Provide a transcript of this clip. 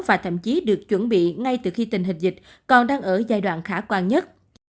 và thậm chí được chuẩn bị ngay từ khi tình hình dịch còn đang ở giai đoạn khả quan nhất